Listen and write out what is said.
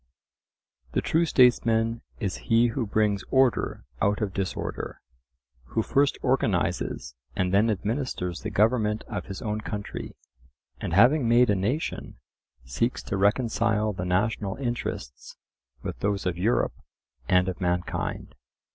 — The true statesman is he who brings order out of disorder; who first organizes and then administers the government of his own country; and having made a nation, seeks to reconcile the national interests with those of Europe and of mankind.